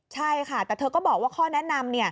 ใช่ค่ะแต่เธอก็บอกว่าข้อแนะนำ